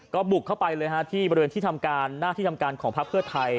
ก็บุกเข้าไปเลยฮะที่บริเวณที่ทำการหน้าที่ทำการของพักเพื่อไทย